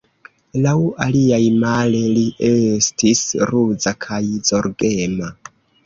Laŭ aliaj, male, li estis ruza kaj zorgema.